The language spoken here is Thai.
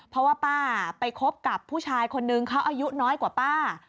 เพราะว่าป้าไปคบกับผู้ชายคนนึงเขาอายุน้อยกว่าป้า